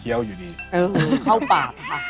เออเข้าปากค่ะ